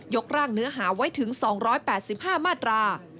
กร่างเนื้อหาไว้ถึง๒๘๕มาตรา